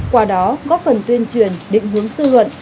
qua đó góp phần tuyên truyền định hướng sư luận